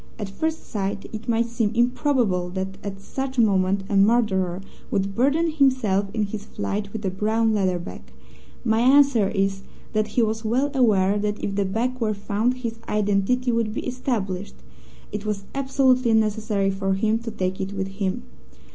At first sight, it might seem improbable that at such a moment a murderer would burden himself in his flight with a brown leather bag. My answer is that he was well aware that if the bag were found his identity would be established. It was absolutely necessary for him to take it with him.